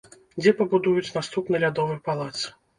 Дзе пабудуюць наступны лядовы палац?